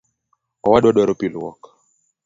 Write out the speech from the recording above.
Owadwa dwaro pii luok